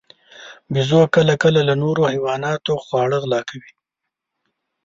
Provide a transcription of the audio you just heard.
بیزو کله کله له نورو حیواناتو خواړه غلا کوي.